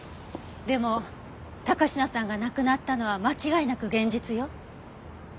でも高階さんが亡くなったのは間違いなく現実よ。